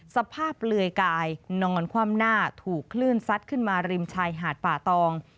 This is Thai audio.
เปลือยกายนอนคว่ำหน้าถูกคลื่นซัดขึ้นมาริมชายหาดป่าตอง